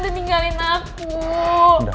dan tinggalin aku